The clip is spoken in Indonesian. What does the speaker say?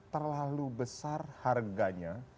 terlalu besar harganya